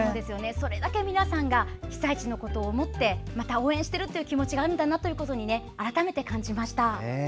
それだけ皆さんが被災地のことを思って応援している気持ちがあるんだなということを改めて感じました。